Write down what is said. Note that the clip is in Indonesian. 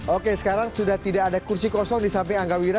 oke sekarang sudah tidak ada kursi kosong di samping angga wira